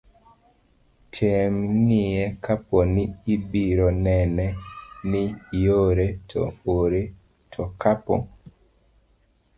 tem ng'iye kapo ni ibiro neno ni iore, to ore to kapo